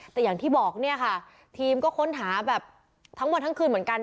แต่อย่างที่บอกเนี่ยค่ะทีมก็ค้นหาแบบทั้งวันทั้งคืนเหมือนกัน